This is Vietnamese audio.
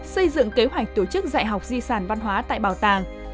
xây dựng kế hoạch tổ chức dạy học di sản văn hóa tại bảo tàng